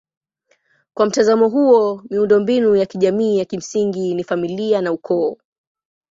Kwa mtazamo huo miundombinu ya kijamii ya kimsingi ni familia na ukoo.